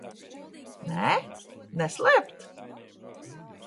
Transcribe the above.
Nē? Neslēpt?